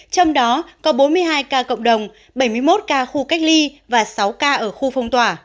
trong đó có bốn mươi hai ca cộng đồng bảy mươi một ca khu cách ly và sáu ca ở khu phong tỏa